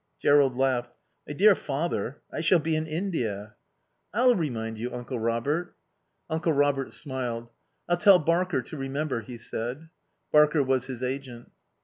Jerrold laughed. "My dear father, I shall be in India." "I'll remind you, Uncle Robert." Uncle Robert smiled. "I'll tell Barker to remember," he said. Barker was his agent.